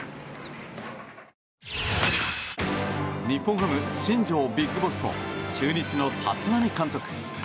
日本ハム新庄ビッグボスと中日の立浪監督。